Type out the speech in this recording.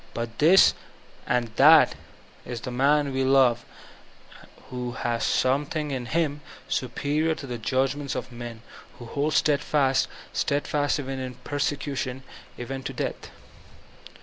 But that is the man we love : who has something in him superior to the judgments of men; who holds steadfast — steadfast even in persecution, even to death.